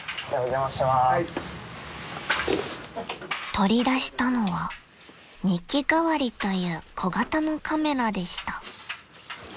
［取り出したのは日記代わりという小型のカメラでした］